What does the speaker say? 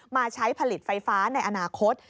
มาใช้ผลิตไฟฟ้าในอนาคต